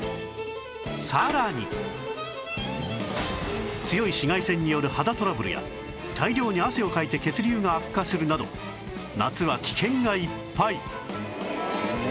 さらに強い紫外線による肌トラブルや大量に汗をかいて血流が悪化するなど夏は危険がいっぱい